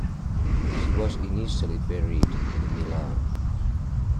She was initially buried in Milan.